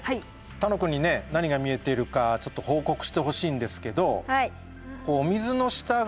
楽くんにね何が見えているかちょっと報告してほしいんですけど。